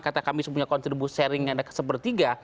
kata kami sebutnya kontribusi sharingnya sepertiga